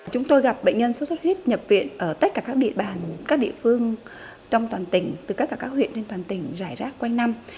chúng tôi gặp bệnh nhân xuất xuất huyết nhập viện ở tất cả các địa bàn các địa phương trong toàn tỉnh từ tất cả các huyện trên toàn tỉnh rải rác quanh năm